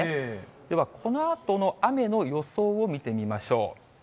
ではこのあとの雨の予想を見てみましょう。